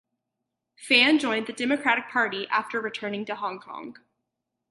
Fan joined the Democratic Party after returning to Hong Kong.